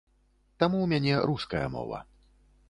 Таму ў мяне руская мова.